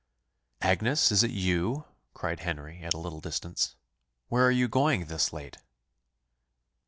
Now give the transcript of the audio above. "Agnes, is it you?" cried Henry, at a little distance. "Where are you going thus late?"